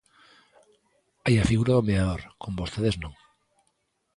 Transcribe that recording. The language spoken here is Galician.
Hai a figura do mediador, con vostedes non.